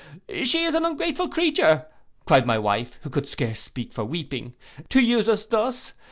'—'She's an ungrateful creature,' cried my wife, who could scarce speak for weeping, 'to use us thus.